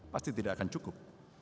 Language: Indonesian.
pasti tidak akan cukup